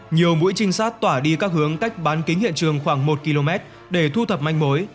nhiều mũi trinh sát tỏa đi các hướng cách bán kính hiện trường khoảng một km để thu thập manh mối